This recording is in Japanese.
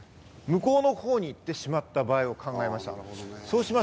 向こうのほうに行ってしまった場合を考えました。